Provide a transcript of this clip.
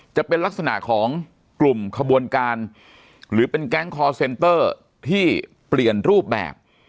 จะเป็นลักษณะของกลุ่มขบวนการหรือเป็นแก๊งคอร์เซนเตอร์ที่เปลี่ยนรูปแบบ